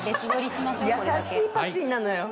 優しい「パチン」なのよ。